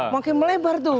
mungkin melebar tuh